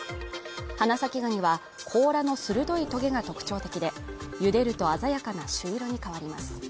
花咲ガニは甲羅の鋭いトゲが特徴的で茹でると鮮やかな朱色に変わります。